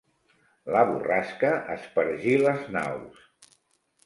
La borrasca espargí les naus.